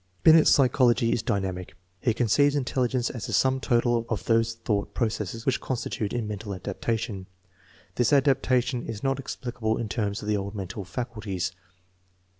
Binet's psychology is dynamic. He conceives intelligence as the sum total of those thought processes which consist in mental adaptation. This adapta tion is not explicable in terms of the old mental " faculties."